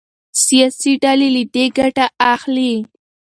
سياسي ډلې له دې ګټه اخلي.